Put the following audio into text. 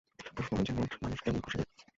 প্রশ্ন যেমন মানুষ কেন খুশি নয়।